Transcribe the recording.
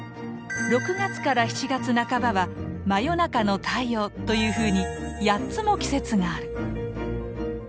６月から７月半ばは「真夜中の太陽」というふうに８つも季節がある！